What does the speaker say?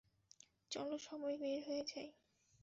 চলো, সবাই বের হয়ে যাই!